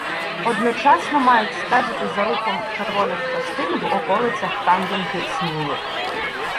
Одночасно мають стежити за рухом червоних частин в околицях Кам'янки - Сміли.